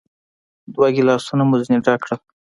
دوه ګیلاسونه مو ځینې ډک کړل.